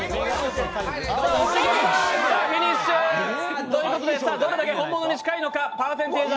フィニッシュ！ということでどれだけ本物に近いのか。